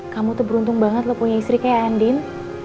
kamu tuh beruntung banget lo punya istri kayak andin